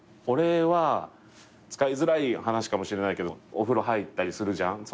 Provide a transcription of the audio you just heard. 俺は使いづらい話かもしれないけどお風呂入ったりするじゃん。